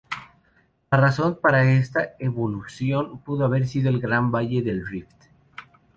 La razón para esta evolución pudo haber sido el gran Valle del Rift.